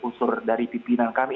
usur dari pimpinan kami